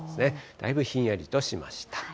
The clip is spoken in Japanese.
だいぶひんやりとしました。